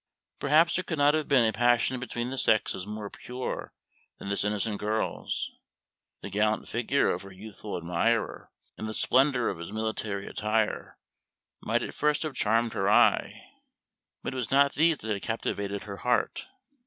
Perhaps there could not have been a passion between the sexes more pure than this innocent girl's. The gallant figure of her youthful admirer and the splendor of his military attire might at first have charmed her eye, but it was not these that had captivated her heart.